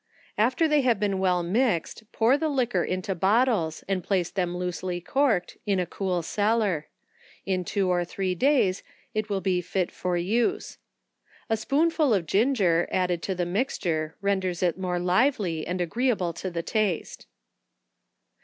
After they have been well mixed, pour the liquor into bottles and place them, loosely corked, in a cool cellar. In two or three days it will be fit for use. A spoonful of ginger added to the mixture, renders it more lively, and agreeable to the taste.